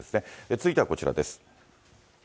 続いてはこちらです。